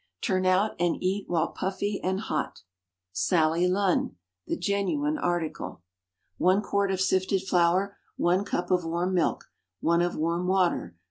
Turn out and eat while puffy and hot. Sally Lunn. (The "Genuine Article.") One quart of sifted flour. One cup of warm milk. One of warm water.